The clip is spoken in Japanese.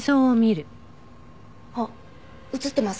あっ映ってます